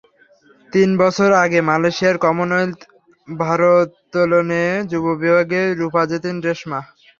তিন বছর আগে মালয়েশিয়ায় কমনওয়েলথ ভারোত্তোলনে যুব বিভাগে রুপা জেতেন রেশমা।